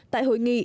tại hội nghị